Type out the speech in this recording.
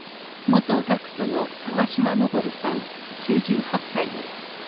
元学徒の川島東さん９８歳です。